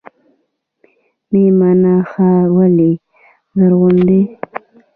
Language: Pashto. میمنه ښار ولې زرغون دی؟